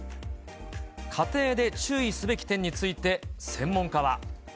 家庭で注意すべき点について、専門家は。